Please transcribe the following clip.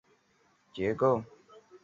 可以用吊桥来比喻梁龙的体型结构。